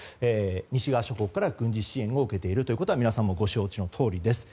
西側諸国から軍事支援を受けているということは皆さんもご承知のとおりです。